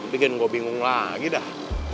bikin gue bingung lagi dah